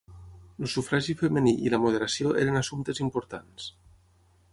El sufragi femení i la moderació eren assumptes importants.